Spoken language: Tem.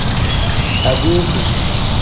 Adiiku.